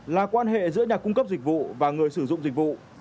là quan hệ giữa nhà cung cấp dịch vụ và người sử dụng dịch vụ